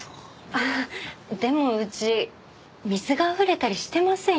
でもうち水があふれたりしてませんよ？